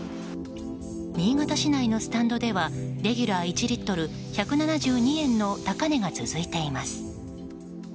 新潟市内のスタンドではレギュラー１リットル１７２円の高値が続いています。